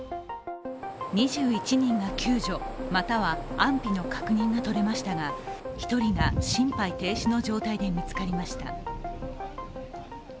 ２１人が救助、または安否の確認がとれましたが、１人が心肺停止の状態で見つかりました。